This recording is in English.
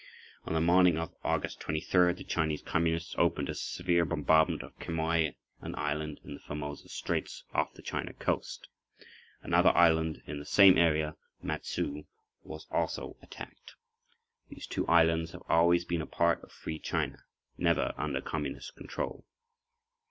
[pg 9] On the morning of August 23d the Chinese Communists opened a severe bombardment of Quemoy, an island in the Formosa Straits off the China Coast. Another island in the same area, Matsu, was also attacked. These two islands have always been a part of Free China—never under Communist control.